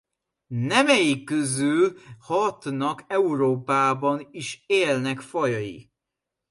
Nemei közül hatnak Európában is élnek fajai.